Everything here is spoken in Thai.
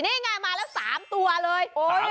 นี่ไงมาแล้ว๓ตัวเลย